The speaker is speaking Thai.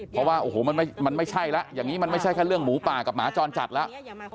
เพราะว่าโอ้โหมันไม่ใช่แล้วอย่างนี้มันไม่ใช่แค่เรื่องหมูป่ากับหมาจรจัดแล้ว